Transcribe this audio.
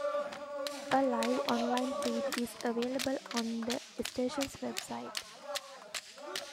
A live online feed is available on the station's website.